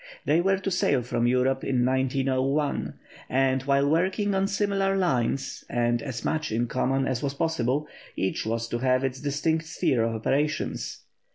They were to sail from Europe in 1901, and while working on similar lines, and as much in common as was possible, each was to have its distinct sphere of operations.